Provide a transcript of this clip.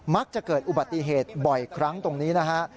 จะเกิดอุบัติเหตุบ่อยครั้งตรงนี้นะฮะ